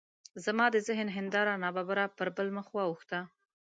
زما د ذهن هنداره ناببره پر بل مخ واوښته.